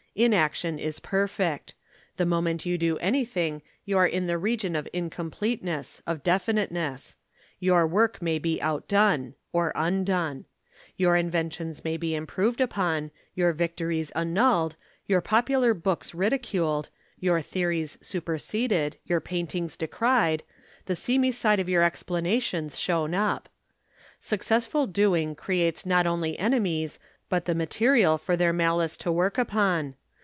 Inaction is perfect. The moment you do anything you are in the region of incompleteness, of definiteness. Your work may be outdone or undone. Your inventions may be improved upon, your victories annulled, your popular books ridiculed, your theories superseded, your paintings decried, the seamy side of your explanations shown up. Successful doing creates not only enemies but the material for their malice to work upon.